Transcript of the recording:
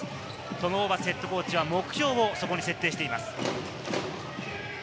トム・ホーバスＨＣは目標をそこに設定しています。